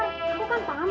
aku kan tamu